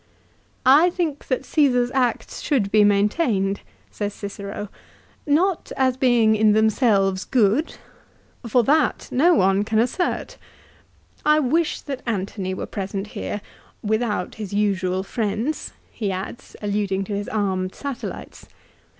" I think that Caesar's acts should be maintained," says Cicero, " not as being in themselves good. 232 LIFE OF CICERO. for that no one can assert. I wish that Antony were present here, without his usual friends," he adds, alluding to his armed satellites.